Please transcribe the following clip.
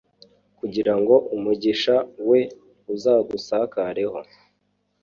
kugira ngo umugisha we uzagusakareho